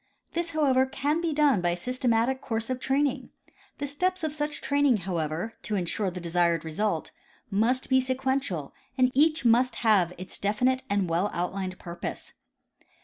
This, however, can be done by a systematic course of training. The steps of such training, however, to in sure the desired result, must be sequential and each must have its definite and well outlined purpose.